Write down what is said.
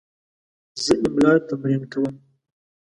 زه املا تمرین کوم.